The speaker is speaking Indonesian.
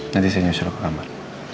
nanti saya nyusul ke kamar